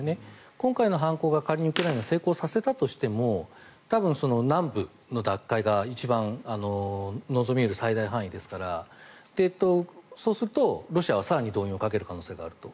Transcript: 今回の反攻が仮にウクライナが成功させたとしても多分、南部の奪回が一番望み得る最大範囲ですからそうすると、ロシアは更に動員をかける可能性があると。